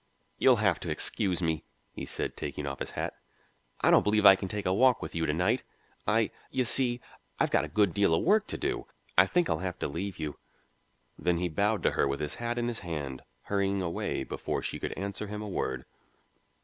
"You'll have to excuse me," he said, taking off his hat. "I don't believe I can take a walk with you to night. I you see I've got a good deal of work to do; I think I'll have to leave you." Then he bowed to her with his hat in his hand, hurrying away before she could answer him a word.